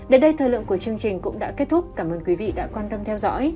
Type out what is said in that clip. đến đây thời lượng của chương trình cũng đã kết thúc cảm ơn quý vị đã quan tâm theo dõi